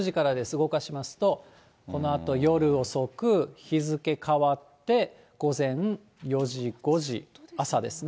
動かしますと、このあと夜遅く、日付変わって午前４時、５時、朝ですね。